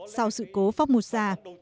sau sự cố phóng mô sa